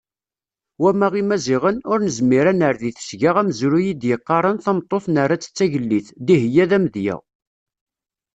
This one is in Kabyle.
Wamma Imaziɣen, ur nezmir ad nerr di tesga amezruy i d-yeqqaren tameṭṭut nerra-tt d tagellidt, Dihya d amedya.